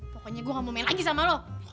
pokoknya gua gak mau main lagi sama lo